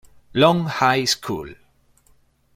Long High School.